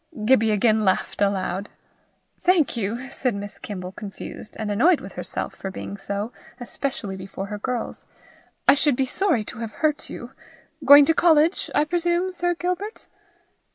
Gibbie again laughed aloud. "Thank you," said Miss Kimble confused, and annoyed with herself for being so, especially before her girls. "I should be sorry to have hurt you. Going to college, I presume, Sir Gilbert?"